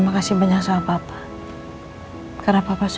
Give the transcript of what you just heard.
gua bisa ke panti